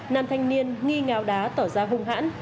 nam thanh niên nghi ngáo đá tỏ ra hung hãn